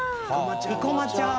生駒ちゃん。